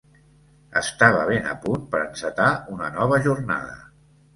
Estava ben a punt per a encetar una nova jornada